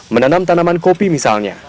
menanam tanaman kopi misalnya